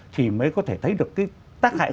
thì mới có thể thấy được cái tác hại